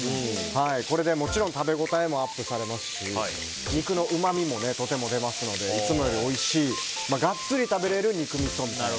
これでもちろん食べ応えもアップしますし肉のうまみも、とても出ますのでいつもよりおいしいガッツリ食べられる肉みそみたいな。